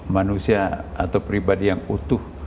manusia atau pribadi yang utuh